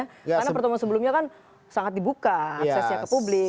karena pertemuan sebelumnya kan sangat dibuka aksesnya ke publik